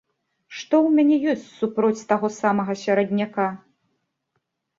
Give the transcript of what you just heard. Што ў мяне ёсць супроць таго самага серадняка?